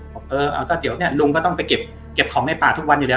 บอกเออเอาก็เดี๋ยวเนี่ยลุงก็ต้องไปเก็บของในป่าทุกวันอยู่แล้ว